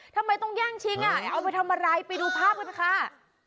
ทำไมต้องแย่งชิงอ่ะเอาไปทำอะไรไปดูภาพกันค่ะ